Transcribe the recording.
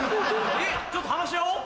ちょっと話し合おう？